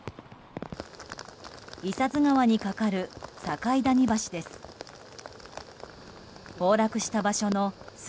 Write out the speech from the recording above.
伊佐津川に架かる境谷橋です。